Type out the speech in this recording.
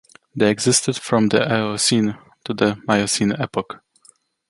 They existed from the Eocene to the Miocene epoch.